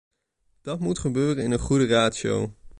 Dat moet gebeuren in een goede ratio.